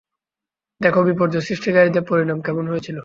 দেখ, বিপর্যয় সৃষ্টিকারীদের পরিণাম কেমন হয়েছিল।